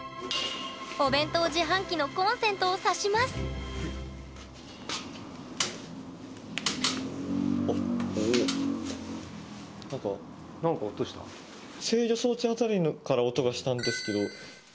お弁当自販機のコンセントを挿します制御装置辺りから音がしたんですけど。